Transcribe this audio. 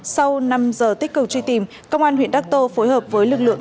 sau năm giờ tích cực truy tìm công an huyện đắc tô phối hợp với lực lượng